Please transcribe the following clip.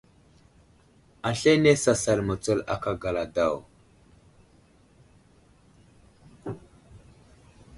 Aslane sasal mətsul aka gala daw.